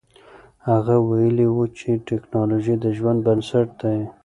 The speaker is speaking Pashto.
هغه ویلي و چې تکنالوژي د ژوند بنسټ دی.